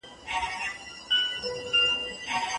موسیقي د روح لپاره ښه ده.